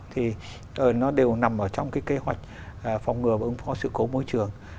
thì nó đều nằm ở trong cái kế hoạch phòng ngừa và ứng phó sự cố môi trường